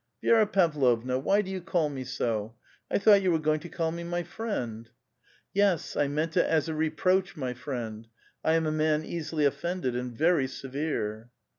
*' Vi^ra Pavlovna, why do you call me so? I thought you were going to call me my friend?*' "Yes, I meant it as a reproach, my friend ! I am a man easily offended, and very severe